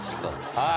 はい。